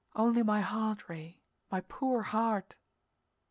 "Only my heart, Ray; my poor heart."